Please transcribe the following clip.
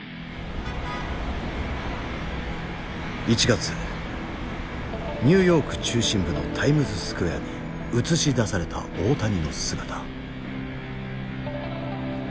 １月ニューヨーク中心部のタイムズスクエアに映し出された大谷の姿。